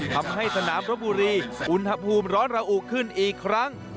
ทำให้สนามรบบุรีอุณหภูมิร้อนระอุขึ้นอีกครั้ง